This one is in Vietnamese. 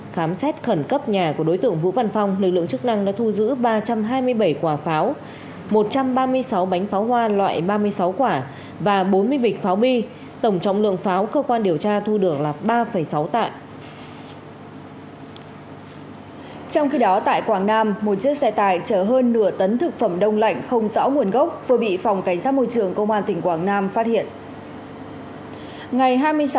khám xét khẩn cấp nhà của đối tượng vũ văn phong lực lượng chức năng đã thu giữ ba trăm hai mươi bảy quả pháo một trăm ba mươi sáu bánh pháo hoa loại ba mươi sáu quả và bốn mươi vịch pháo bi